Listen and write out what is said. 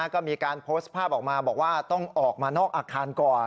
ก็มีการโพสต์ภาพออกมาบอกว่าต้องออกมานอกอาคารก่อน